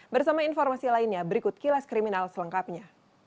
bersama informasi lainnya berikut kilas kriminal selengkapnya